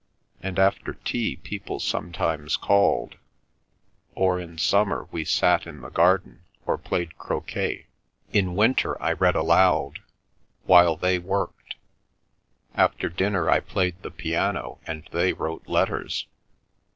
And after tea people sometimes called; or in summer we sat in the garden or played croquet; in winter I read aloud, while they worked; after dinner I played the piano and they wrote letters.